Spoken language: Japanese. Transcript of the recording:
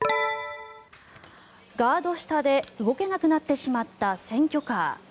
ガード下で動けなくなってしまった選挙カー。